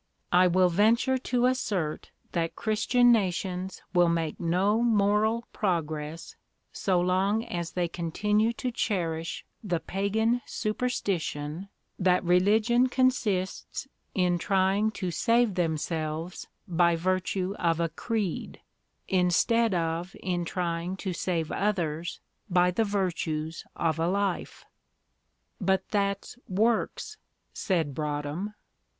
I will venture to assert that Christian nations will make no moral progress so long as they continue to cherish the pagan superstition that religion consists in trying to save themselves by virtue of a creed, instead of in trying to save others by the virtues of a life." "But that's works," said Broadhem.